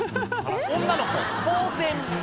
女の子ぼうぜん